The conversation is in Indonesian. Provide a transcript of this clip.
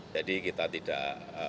jadi kita tidak